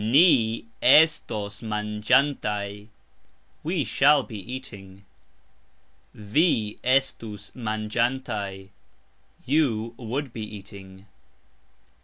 Ni estos mangxantaj ......... We shall be eating. Vi estus mangxantaj ......... You would be eating.